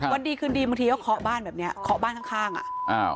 วันดีคืนดีบางทีเขาขอบ้านแบบเนี่ยขอบ้านข้างอะ